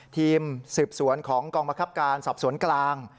ทีมสืบสวนของกองบังคับการสอบสวนกลาง